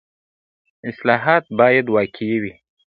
اصلاحات باید واقعي وي.